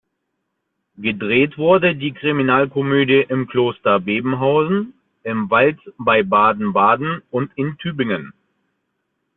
Gedreht wurde die Kriminalkomödie im Kloster Bebenhausen, im Wald bei Baden-Baden und in Tübingen.